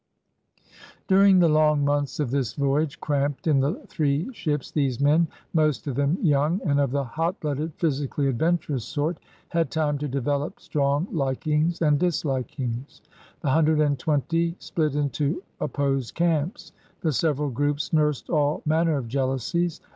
During the long months of this voyage, cramped in the three ships, these men, most of them young and of the hot blooded, physically adventurous sort, had time to develop strong likings and dis likings. The hundred and twenty split into, op posed camps. The several groups nursed all manner of jealousies.